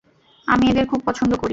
আমি এদের খুব পছন্দ করি।